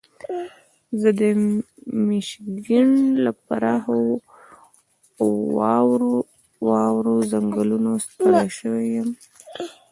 زه د میشیګن له پراخو اوارو ځنګلونو ستړی شوی یم.